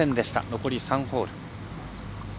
残り３ホール。